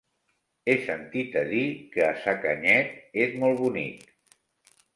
He sentit a dir que Sacanyet és molt bonic.